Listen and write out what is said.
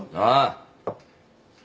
ああ。